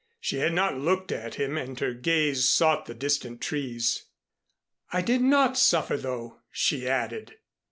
She had not looked at him, and her gaze sought the distant trees. "I did not suffer, though," she added.